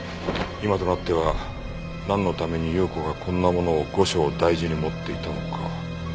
今となってはなんのために有雨子がこんなものを後生大事に持っていたのか。